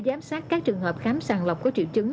giám sát các trường hợp khám sàng lọc có triệu chứng